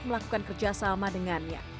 melakukan kerja sama dengannya